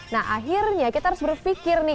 nah akhirnya kita harus berpikir nih